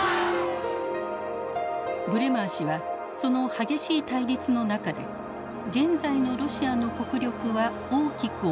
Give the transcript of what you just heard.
ブレマー氏はその激しい対立の中で現在のロシアの国力は大きく衰えてきていると分析します。